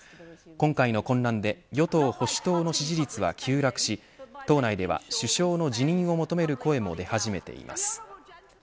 今回の混乱で与党・保守党の支持率は急落し党内では首相の辞任を求める声も出始めています。